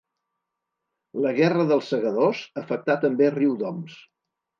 La Guerra dels Segadors afectà també Riudoms.